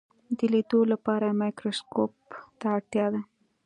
د لیدلو لپاره مایکروسکوپ ته اړتیا ده.